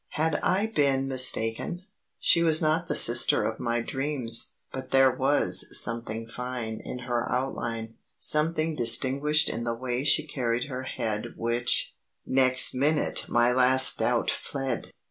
Had I been mistaken? She was not the sister of my dreams, but there was something fine in her outline; something distinguished in the way she carried her head which Next minute my last doubt fled!